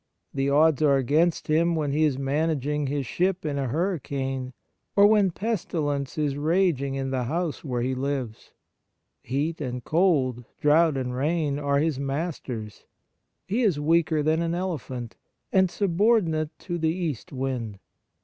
The odds are against him when he is managing his ship in a hurri cane, or when pestilence is raging in the house where he lives. Heat and cold, drought and rain, are his masters. He is 2 1 8 Kindness weaker than an elephant, and subordinate to the east wind.